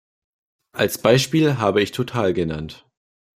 Als Beispiel habe ich Total genannt.